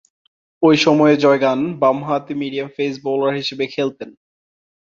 ঐ সময়ে John Gunn বামহাতি মিডিয়াম পেস বোলার হিসেবে খেলতেন।